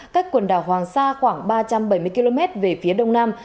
cách quần đảo hoàng sa khoảng ba trăm bảy mươi km về phía đông nam